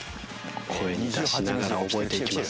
声に出しながら覚えていきます。